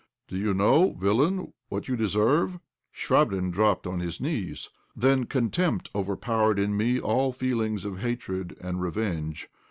"Do you know, villain, what you deserve?" Chvabrine dropped on his knees. Then contempt overpowered in me all feelings of hatred and revenge.